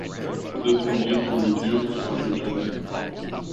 This may lead to reduced pathogenicity.